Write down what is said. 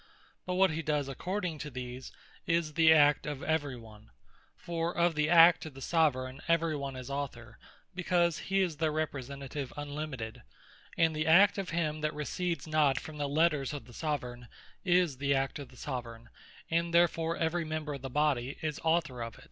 But what he does according to these, is the act of every one: For of the Act of the Soveraign every one is Author, because he is their Representative unlimited; and the act of him that recedes not from the Letters of the Soveraign, is the act of the Soveraign, and therefore every member of the Body is Author of it.